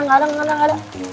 gak ada gak ada gak ada